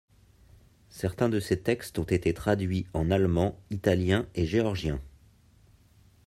Certains de ses textes ont été traduits en allemand, italien et georgien.